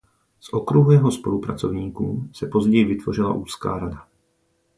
Z okruhu jeho spolupracovníků se později vytvořila úzká rada.